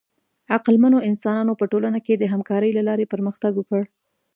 عقلمنو انسانانو په ټولنه کې د همکارۍ له لارې پرمختګ وکړ.